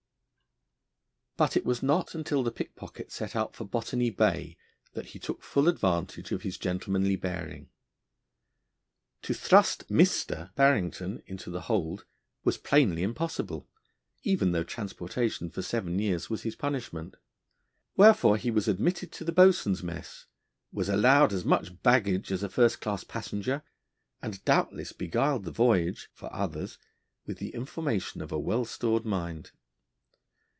But it was not until the pickpocket set out for Botany Bay that he took full advantage of his gentlemanly bearing. To thrust 'Mr.' Barrington into the hold was plainly impossible, even though transportation for seven years was his punishment. Wherefore he was admitted to the boatswain's mess, was allowed as much baggage as a first class passenger, and doubtless beguiled the voyage (for others) with the information of a well stored mind.